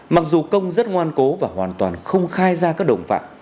mặc dù công rất ngoan cố và hoàn toàn không khai ra các đồng phạm